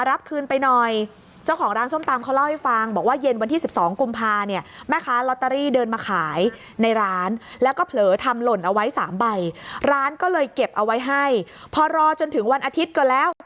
ร้านก็เลยเก็บเอาไว้ให้พอรอจนถึงวันอาทิตย์ก็แล้ว